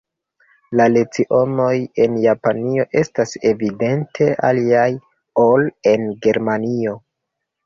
La lecionoj en Japanio estas evidente aliaj ol en Germanio.